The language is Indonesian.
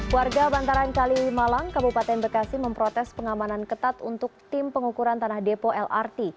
warga bantaran kalimalang kabupaten bekasi memprotes pengamanan ketat untuk tim pengukuran tanah depo lrt